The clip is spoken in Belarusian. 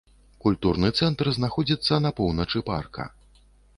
Культурны цэнтр знаходзіцца на поўначы парка.